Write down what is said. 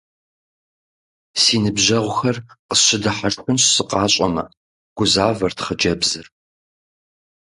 Си ныбжьэгъухэр къысщыдыхьэшхынщ, сыкъащӀэмэ, - гузавэрт хъыджэбзыр.